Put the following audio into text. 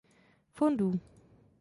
Fondů.